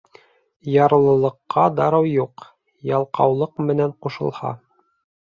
Ярлылыҡҡа дарыу юҡ, ялҡаулыҡ менән ҡушылһа.